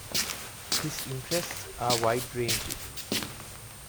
His interests are wide-ranging.